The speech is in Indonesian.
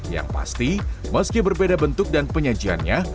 yang pasti meski berbeda bentuk dan penyajiannya